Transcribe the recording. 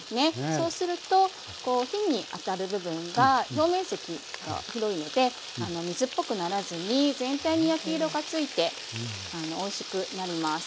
そうすると火に当たる部分が表面積が広いので水っぽくならずに全体に焼き色がついておいしくなります。